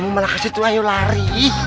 kamu malah kasih tuh ayo lari